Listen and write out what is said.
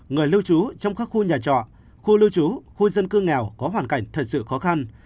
người lưu trú trong các khu nhà trọ khu lưu trú khu dân cư nghèo có hoàn cảnh thật sự khó khăn